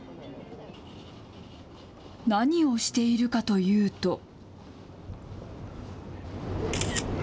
何をしているかというと。